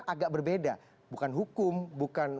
agak berbeda bukan hukum bukan